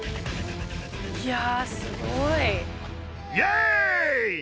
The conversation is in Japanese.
いやすごい。